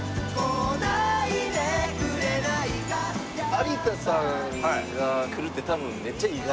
有田さんが来るって多分めっちゃ意外な感じ。